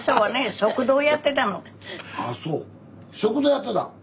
食堂やってたん？